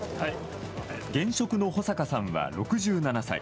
現職の保坂さんは６７歳。